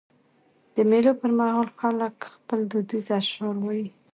د مېلو پر مهال خلک خپل دودیز اشعار وايي.